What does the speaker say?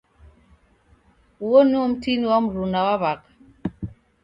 Uo nio mtini wa mruna wa w'aka.